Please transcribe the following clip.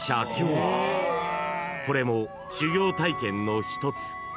［これも修行体験の一つ］